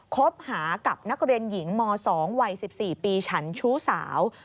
คบหากับนักเรียนหญิงม๒วัย๑๔ปีฉันชู้สาว